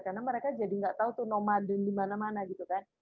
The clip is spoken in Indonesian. karena mereka jadi enggak tahu tuh nomad dan di mana mana gitu kan